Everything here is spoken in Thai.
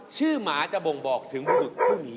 ชื่อหมาจะบ่งบอกถึงมูลตัวคู่นี้